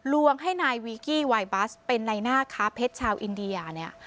ลวงให้นายวีกี้ไวบัสเป็นในหน้าค้าเพชรชาวอินเดียเนี่ย